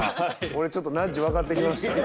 俺ちょっとナッジ分かってきました。